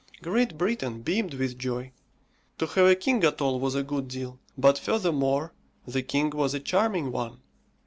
Great Britain beamed with joy; to have a king at all was a good deal but furthermore, the king was a charming one.